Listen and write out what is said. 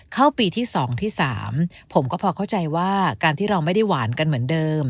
เข้าปีที่๒ที่๓ผมก็พอเข้าใจว่าการที่เราไม่ได้หวานกันเหมือนเดิม